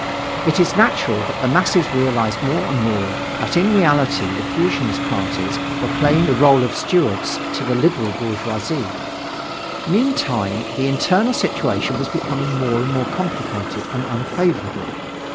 It is natural that the masses realized more and more that in reality the fusionist parties were playing the role of stewards to the liberal bourgeoisie. Meantime, the internal situation was becoming more and more complicated and unfavorable.